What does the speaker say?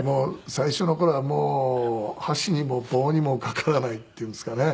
最初の頃はもう箸にも棒にもかからないっていうんですかね。